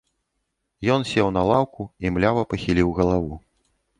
Ён сеў на лаўку і млява пахіліў галаву.